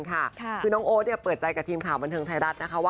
คือน้องโอ๊ดเปิดใจกับทีมข่าวบรรเทิงไทยรัฐ